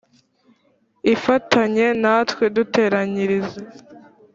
Ifatanye natwe duteranyirize